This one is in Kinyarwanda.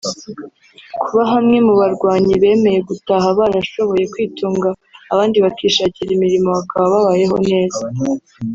Kuba bamwe mu barwanyi bemeye gutaha barashoboye kwitunga abandi bakishakira imirimo bakaba babayeho neza